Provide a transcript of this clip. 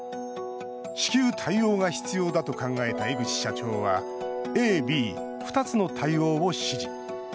至急対応が必要だと考えた江口社長はＡ、Ｂ２つの対応を指示。